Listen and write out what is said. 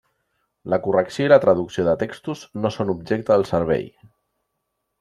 La correcció i la traducció de textos no són objecte del servei.